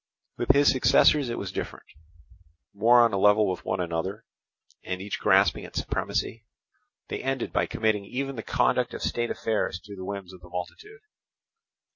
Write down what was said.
With his successors it was different. More on a level with one another, and each grasping at supremacy, they ended by committing even the conduct of state affairs to the whims of the multitude.